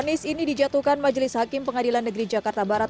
fonis ini dijatuhkan majelis hakim pengadilan negeri jakarta barat